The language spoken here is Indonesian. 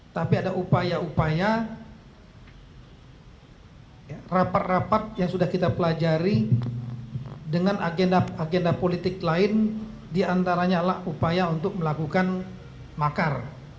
tapi ada upaya upaya rapat rapat yang sudah kita pelajari dengan agenda agenda politik lain diantaranya adalah upaya untuk melakukan makar